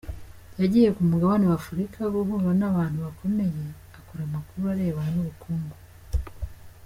Yagiye ku mugabane w’Afurika, guhura n’abantu bakomeye, akora amakuru arebana n’ubukungu.